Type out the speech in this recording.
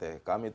di setiap rt